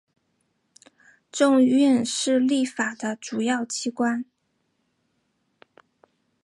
众议院是立法的主要机关。